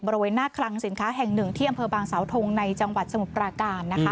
บริเวณหน้าคลังสินค้าแห่งหนึ่งที่อำเภอบางสาวทงในจังหวัดสมุทรปราการนะคะ